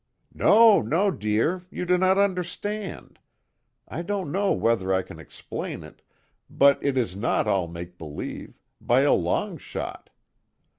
"No, no, dear! You do not understand. I don't know whether I can explain it, but it is not all make believe by a long shot!